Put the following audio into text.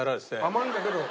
甘いんだけど。